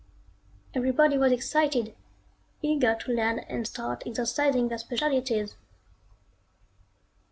Everybody was excited, eager to land and start exercising their specialties.